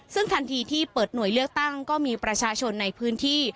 ซึ่งทันทีที่เปิดหน่วยเลือกตั้งก็มีประชาชนในพื้นที่